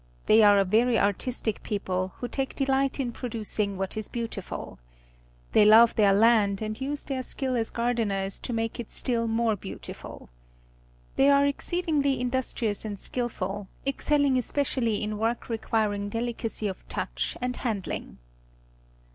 They are a very artistic people, who take delight in producing what is beautiful. They love their land and use their skill as gardeners to make it still more beautiful. They are exceedingly industrious and skilful, excelling especially in work requiring deUcacy of touch and handling.